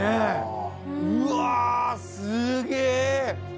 うわすげえ！